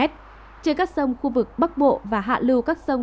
trên các sông khu vực bắc bộ và hạ lưu các sông